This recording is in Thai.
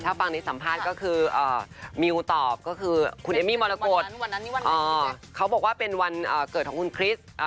ถ้าฟังในสัมภาษณ์ก็คือมิวตอบก็คือคุณเอมมี่มรกฏเขาบอกว่าเป็นวันเกิดของคุณคริสต์